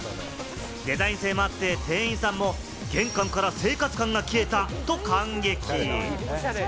デザイン性もあって、店員さんも玄関から生活感が消えたと感激！